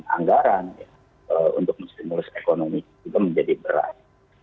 anggaran untuk mesin mulus ekonomi juga menjadi berat